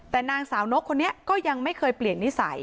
แต่นางสาวนกคนนี้ก็ยังไม่เคยเปลี่ยนนิสัย